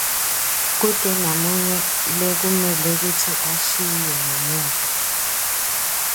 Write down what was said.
Kute namunye lekumele kutsi ashiywe ngemuva.